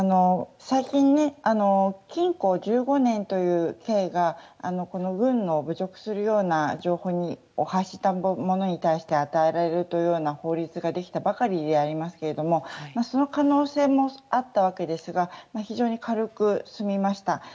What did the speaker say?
最近、禁錮１５年という刑が軍を侮辱するような情報を発したものに対して与えられるというような法律ができたばかりでありますけどもその可能性もあったわけですが非常に軽く済みました。